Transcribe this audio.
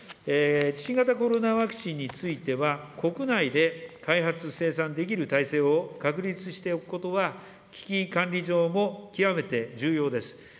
新型コロナワクチンについては、国内で開発・生産できる体制を確立しておくことは、危機管理上も極めて重要です。